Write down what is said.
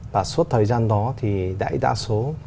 và suốt thời gian đó thì đại đa số